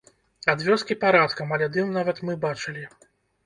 Ад вёскі парадкам, але дым нават мы бачылі.